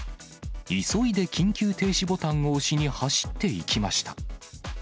急いで緊急停止ボタンを押しに走っていきました。